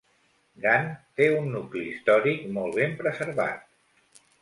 Gant té un nucli històric molt ben preservat.